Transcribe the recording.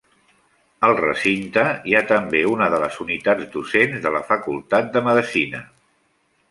Al recinte hi ha també una de les unitats docents de la Facultat de Medicina.